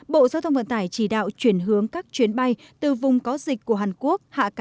bộ giao thông vận tải chỉ đạo chuyển hướng các chuyến bay từ vùng có dịch của hàn quốc hạ